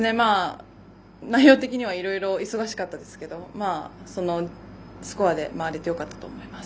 内容的にはいろいろ忙しかったですけどそのスコアで回れてよかったと思います。